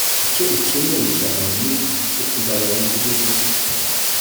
Icyo ukeneye cyane ni ukugabanya ibyokurya